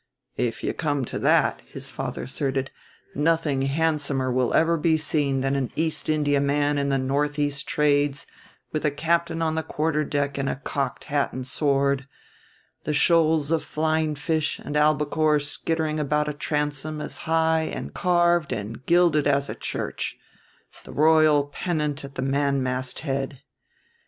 "If you come to that," his father asserted; "nothing handsomer will ever be seen than an East India man in the northeast trades with the captain on the quarter deck in a cocked hat and sword, the shoals of flying fish and albacore skittering about a transom as high and carved and gilded as a church, the royal pennant at the mainmast head.